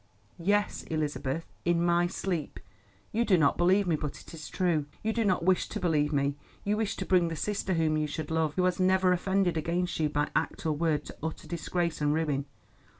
"Yes, Elizabeth, in my sleep. You do not believe me, but it is true. You do not wish to believe me. You wish to bring the sister whom you should love, who has never offended against you by act or word, to utter disgrace and ruin.